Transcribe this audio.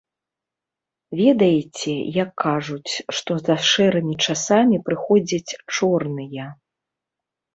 Ведаеце, як кажуць, што за шэрымі часамі прыходзяць чорныя.